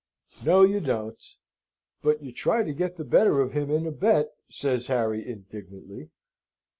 "No, you don't. But you try to get the better of him in a bet," says Harry, indignantly.